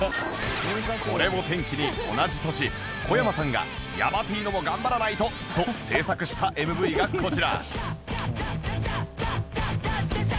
これを転機に同じ年こやまさんが「ヤバ Ｔ のも頑張らないと！」と制作した ＭＶ がこちら